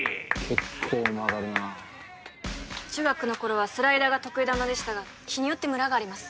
結構曲がるな中学の頃はスライダーが得意球でしたが日によってムラがあります